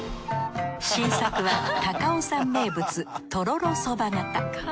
新作は高尾山名物とろろそば型。